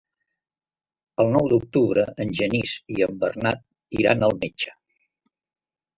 El nou d'octubre en Genís i en Bernat iran al metge.